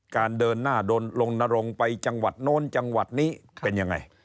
เดินหน้าโดนลงนรงไปจังหวัดโน้นจังหวัดนี้เป็นยังไง